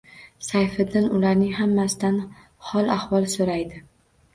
Sayfiddin ularning hammasidan hol-ahvol so‘raydi